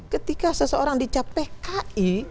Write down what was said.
ketika seseorang dicapai